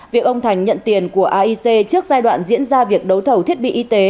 việc ông thành nhận tiền của aic trước giai đoạn diễn ra việc đấu thầu thiết bị y tế